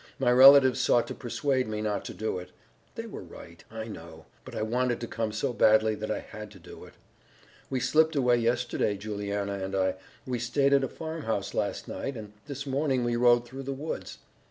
"My relatives sought to persuade me not to do it. They were right, I know, but I wanted to come so badly that I had to do it. We slipped away yesterday, Juliana and I. We stayed at a farmhouse last night, and this morning we rode through the woods.